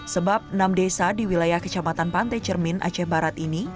sebab enam desa di wilayah kecamatan pantai cermin aceh barat ini